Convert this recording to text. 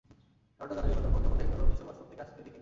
কারণটা জানা গেল তখন, যখন দেখা গেল নিশো ওয়াশরুম থেকে আসছেন এদিকেই।